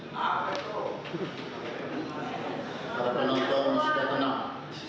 para penonton sudah tenang